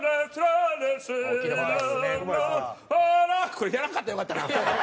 これやらんかったらよかったな！